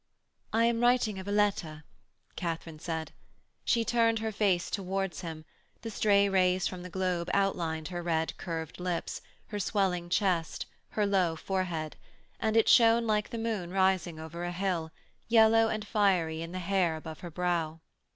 'I was writing of a letter,' Katharine said. She turned her face towards him: the stray rays from the globe outlined her red curved lips, her swelling chest, her low forehead; and it shone like the moon rising over a hill, yellow and fiery in the hair above her brow.